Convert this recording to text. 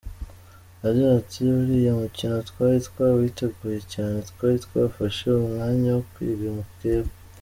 Yagize ati “Uriya mukino twari twawiteguye cyane, twari twafashe umwanya wo kwiga mukeba.